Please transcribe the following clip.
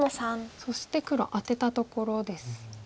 そして黒アテたところです。